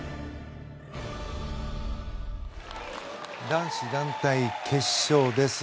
男子団体決勝です。